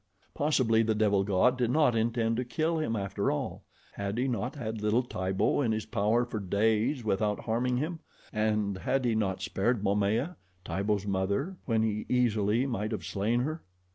Possibly the devil god did not intend to kill him after all. Had he not had little Tibo in his power for days without harming him, and had he not spared Momaya, Tibo's mother, when he easily might have slain her?